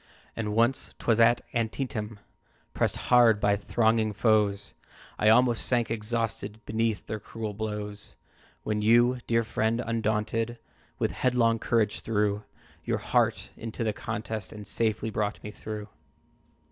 "And once, 'twas at Antietam, Pressed hard by thronging foes, I almost sank exhausted Beneath their cruel blows, When you, dear friend, undaunted, With headlong courage threw Your heart into the contest, And safely brought me through.